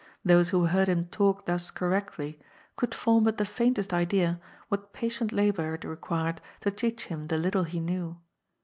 Those who heard him talk thus cor rectly, could form but the faintest idea what patient labor it required to teach him the little he knew.